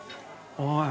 おい。